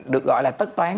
được gọi là tất toán